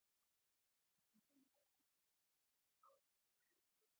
یوه ټولنه فرض کړئ چې زر کیلو وریجې لري.